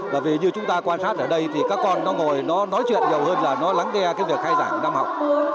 và vì như chúng ta quan sát ở đây thì các con nó ngồi nó nói chuyện nhiều hơn là nó lắng nghe cái việc khai giảng năm học